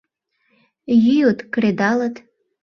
Йӱыт, кредалыт.